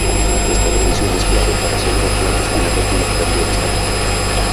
Esta previsión es clave para asegurar que la piscina permanezca en buen estado.